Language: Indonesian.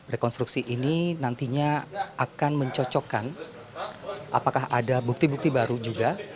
rekonstruksi ini nantinya akan mencocokkan apakah ada bukti bukti baru juga